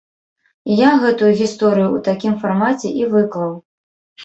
І я гэтую гісторыю ў такім фармаце і выклаў.